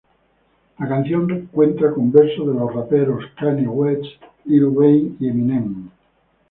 La canción cuenta con versos de los raperos Kanye West, Lil Wayne y Eminem.